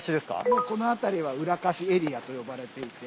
もうこの辺りはウラカシエリアと呼ばれていて。